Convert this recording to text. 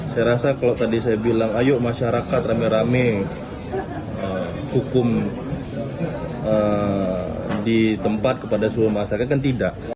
saya rasa kalau tadi saya bilang ayo masyarakat rame rame hukum di tempat kepada seluruh masyarakat kan tidak